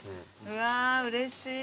うわーうれしい。